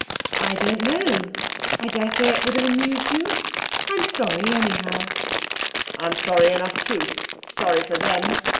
'I don't know. I daresay it would have amused you. I'm sorry, anyhow.' 'I'm sorry enough, too sorry for them.